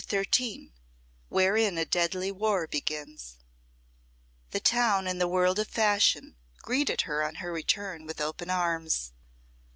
CHAPTER XIII Wherein a deadly war begins The town and the World of Fashion greeted her on her return with open arms.